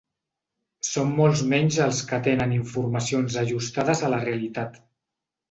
Són molts menys els que tenen informacions ajustades a la realitat.